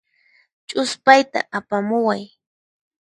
Ch'uspayta apamuway.